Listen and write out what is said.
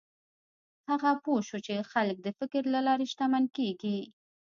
هغه پوه شو چې خلک د فکر له لارې شتمن کېږي.